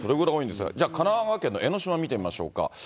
それでは神奈川県の江の島を見てみましょうか。